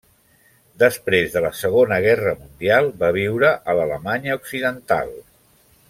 Després de la Segona Guerra Mundial, va viure a l'Alemanya Occidental.